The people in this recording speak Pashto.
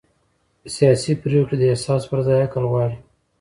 سیاسي پرېکړې د احساس پر ځای عقل غواړي